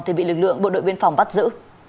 thì bị lực lượng bộ đội biên phòng bắt giữ